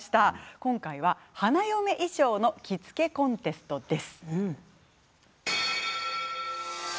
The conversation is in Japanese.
今回は、花嫁衣装の着付けコンテストです。